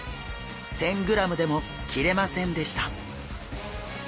１，０００ｇでも切れませんでした。